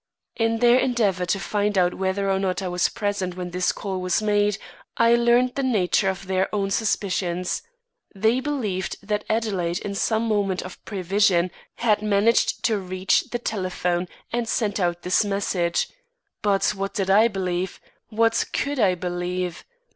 In their endeavour to find out whether or not I was present when this call was made, I learned the nature of their own suspicions. They believed that Adelaide in some moment of prevision had managed to reach the telephone and send out this message. But what did I believe? What could I believe?